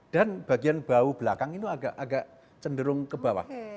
dan bagian bahu belakang itu agak cenderung ke bawah